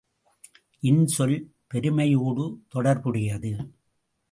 இன்சொல், பெருமையோடு தொடர்புடையது.